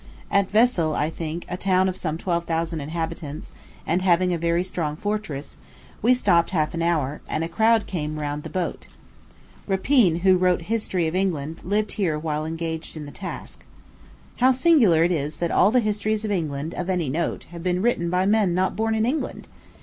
At Wesel a town, I think, of some twelve thousand inhabitants, and having a very strong fortress we stopped half an hour, and a crowd came round the boat. Rapin, who wrote the History of England, lived here while engaged in the task. How singular it is that all the histories of England, of any note, have been written by men not born in England!